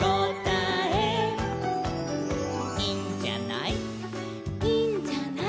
「いいんじゃない」